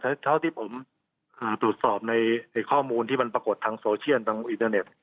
เท่าที่ผมตรวจสอบในข้อมูลที่มันปรากฏทางโซเชียลทางอินเทอร์เน็ต